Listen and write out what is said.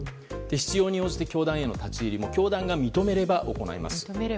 必要に応じて教団への立ち入りも教団が認めれば行います。